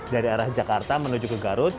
dari arah jakarta menuju ke garut